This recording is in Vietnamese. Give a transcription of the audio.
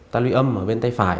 ta luy âm ở bên tay phải